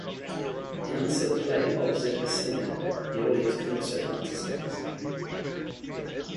The "answer" play opposite the singer, the audience can also participate.